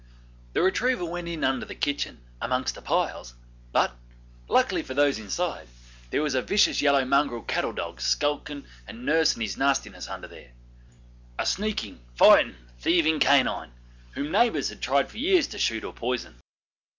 The retriever went in under the kitchen, amongst the piles, but, luckily for those inside, there was a vicious yellow mongrel cattle dog sulking and nursing his nastiness under there a sneaking, fighting, thieving canine, whom neighbours had tried for years to shoot or poison.